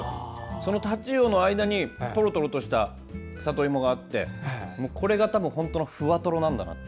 そのタチウオの間にとろとろとしたさといもがあってこれが本当のふわとろなんだなと。